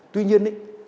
tuy nhiên ấy